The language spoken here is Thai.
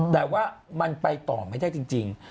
แต่ว่ามันไปต่อไม่ได้จริง